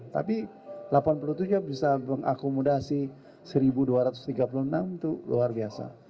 tapi delapan puluh tujuh bisa mengakomodasi satu dua ratus tiga puluh enam itu luar biasa